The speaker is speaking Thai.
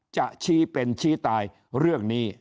จะชี้เป็นชี้ตายเรื่องนี้